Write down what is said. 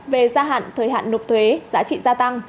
về gia hạn thời hạn nộp thuế giá trị gia tăng